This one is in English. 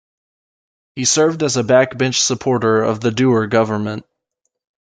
He served as a backbench supporter of the Doer government.